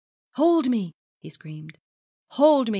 'Hold me!' he screamed; 'hold me!